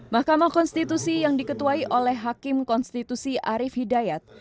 mahkamah konstitusi yang diketuai oleh hakim konstitusi arief hidayat